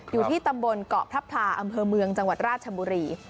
อยู่ที่ตำบลเกาะพระพลาอำเภอเมืองจังหวัดราชบุรี